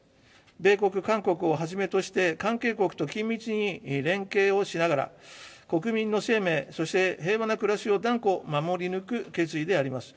米国、韓国をはじめとして、関係国と緊密に連携をしながら、国民の生命、そして平和な暮らしを断固守り抜く決意であります。